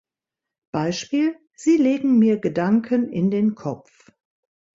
Beispiel: "Sie legen mir Gedanken in den Kopf".